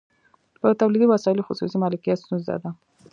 په تولیدي وسایلو خصوصي مالکیت ستونزه ده